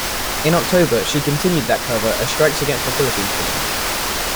In October, she continued that cover as strikes against the Philippines began.